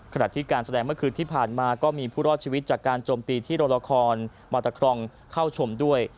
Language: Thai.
ขณะที่การแสดงเมื่อคืนที่ผ่านมาก็มีผู้รอดชีวิตจากการจมตีที่โรงละครมอเตอร์ครองเข้าชมด้วย